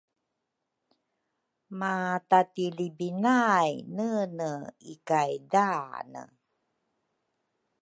madadilibinay nene i-kay daane.